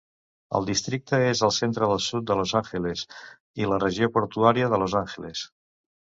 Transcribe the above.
El districte és al centre del sud de Los Angeles i la regió portuària de Los Angeles.